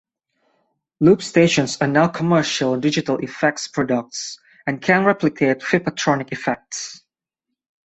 Loop stations are now commercial digital effects products and can replicate Frippertronics effects.